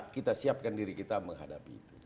kita siapkan diri kita menghadapi itu